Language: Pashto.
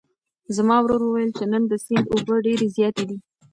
زما ورور وویل چې نن د سیند اوبه ډېرې زیاتې دي.